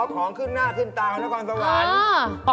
ของขึ้นหน้าขึ้นตาของนครสวรรค์